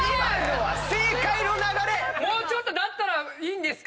もうちょっとだったら「いいんですか？」